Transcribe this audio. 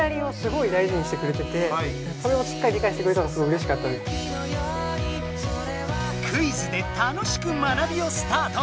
やっぱり「クイズで楽しく学びをスタート」。